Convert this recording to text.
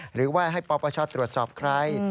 หรือว่าให้ปปชตรวจสอบใคร